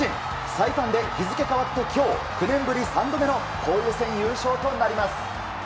最短で日付変わって今日９年ぶり３度目の交流戦優勝となります。